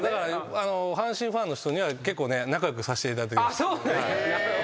阪神ファンの人には結構仲良くさせていただきました。